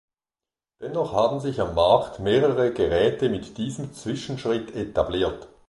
Dennoch haben sich am Markt mehrere Geräte mit diesem Zwischenschritt etabliert.